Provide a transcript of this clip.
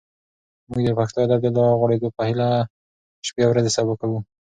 موږ د پښتو ادب د لا غوړېدو په هیله شپې او ورځې سبا کوو.